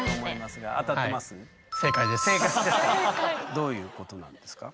どういうことなんですか？